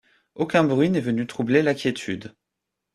Aucun bruit n’est venu troubler la quiétude.